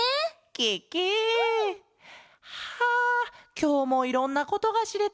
ケケ！はあきょうもいろんなことがしれた。